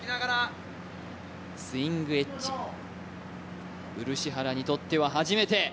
スイングエッジ、漆原にとっては初めて。